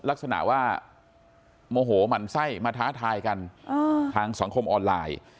ลักษณะว่าโมโหหมั่นไส้มาท้าทายกันทางสังคมออนไลน์